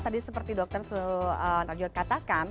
tadi seperti dokter sunarjot katakan